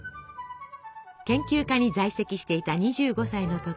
研究科に在籍していた２５歳の時。